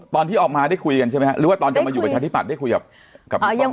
ตอนที่ออกมาได้คุยกันใช่ไหมฮะหรือว่าตอนจะมาอยู่ประชาธิบัตย์ได้คุยกับ